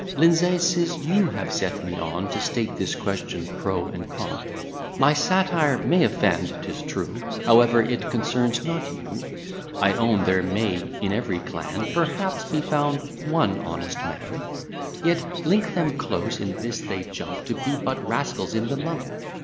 Lindsay, 'tis you have set me on, To state this question pro and con. My satire may offend, 'tis true; However, it concerns not you. I own, there may, in every clan, Perhaps, be found one honest man; Yet link them close, in this they jump, To be but rascals in the lump.